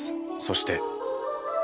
そして。